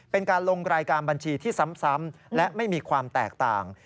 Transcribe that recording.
เป็นการลงรายการบัญชีที่ซ้ำและไม่มีความแตกต่าง